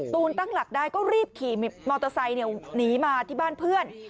ตั้งหลักได้ก็รีบขี่มอเตอร์ไซค์หนีมาที่บ้านเพื่อน